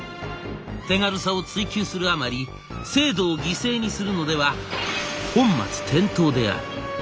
「手軽さを追求するあまり精度を犠牲にするのでは本末転倒である」。